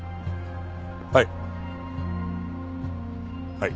はい。